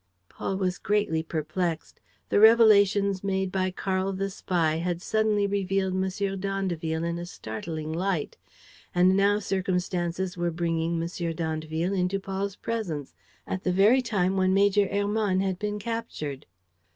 .?" Paul was greatly perplexed. The revelations made by Karl the spy had suddenly revealed M. d'Andeville in a startling light. And now circumstances were bringing M. d'Andeville into Paul's presence, at the very time when Major Hermann had been captured.